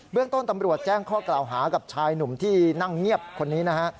เรื่องต้นตำรวจแจ้งข้อกล่าวหากับชายหนุ่มที่นั่งเงียบคนนี้นะฮะ